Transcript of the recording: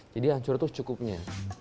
jadi hancur tuh cukupnya